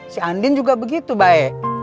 si andin juga begitu baik